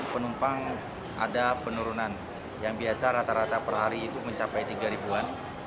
penumpang ada penurunan yang biasa rata rata per hari itu mencapai tiga ribuan